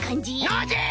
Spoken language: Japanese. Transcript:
ノージー！